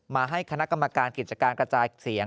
มาให้คณะกรรมการกิจการกระจายเสียง